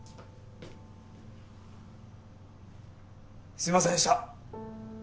すいませんでした！